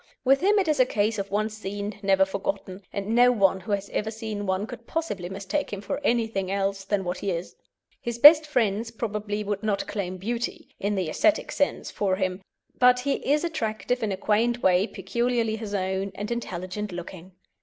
With him it is a case of once seen never forgotten, and no one who has ever seen one could possibly mistake him for anything else than what he is. His best friends probably would not claim beauty, in the aesthetic sense, for him; but he is attractive in a quaint way peculiarly his own, and intelligent looking.